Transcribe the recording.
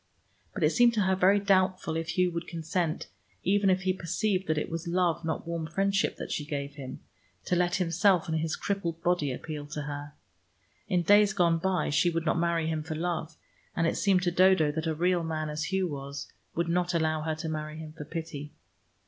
But it seemed to her very doubtful if Hugh would consent, even if he perceived that it was love not warm friendship that she gave him, to let himself and his crippled body appeal to her. In days gone by, she would not marry him for love, and it seemed to Dodo that a real man, as Hugh was, would not allow her to marry him for pity.